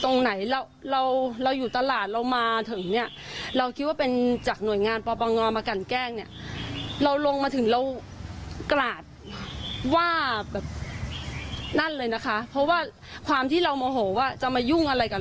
นั่นเลยนะคะเพราะว่าความที่เราโมโหว่าจะมายุ่งอะไรกับ